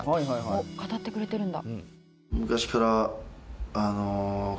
「おっ語ってくれてるんだ」